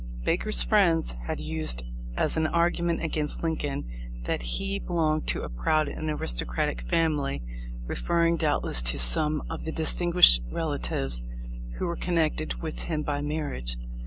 Baker's friends had used as an argument against Lincoln that he belonged to a proud and aristo cratic family, referring doubtless to some of the distinguished relatives who were connected with him by marriage.